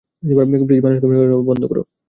Please মানুষকে মেরে ফেলা বন্ধ করো!